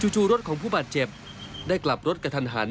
จู่รถของผู้บาดเจ็บได้กลับรถกระทันหัน